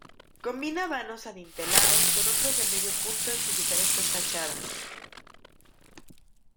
Combina vanos adintelados con otros de medio punto en sus diferentes fachadas.